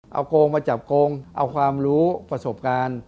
เอาโกงมาจับโกงเอาความรู้ประสบการณ์